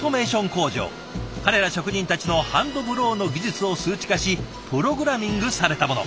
工場彼ら職人たちのハンドブローの技術を数値化しプログラミングされたもの。